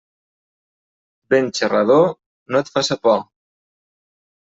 Vent xerrador, no et faça por.